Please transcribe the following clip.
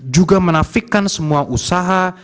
juga menafikan semua usaha